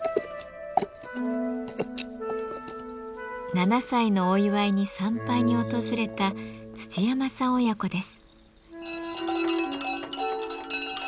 ７歳のお祝いに参拝に訪れた土山さん親子です。